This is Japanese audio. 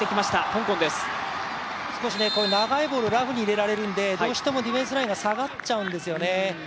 少し長いボールラフに入れられるので、どうしてもディフェンスラインが下がっちゃうんですよね。